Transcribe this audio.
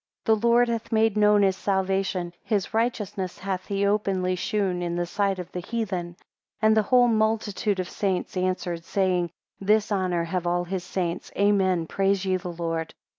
14 The Lord hath made known his salvation, his righteousness hath he openly shewn in the sight of the heathen. 15 And the whole multitude of saints answered, saying, This honour have all his saints, Amen, Praise ye the Lord.